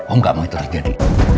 om gak mau itu terjadi